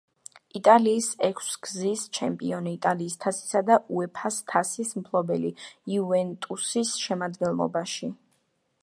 იტალიის ექვსგზის ჩემპიონი, იტალიის თასისა და უეფა-ს თასის მფლობელი „იუვენტუსის“ შემადგენლობაში.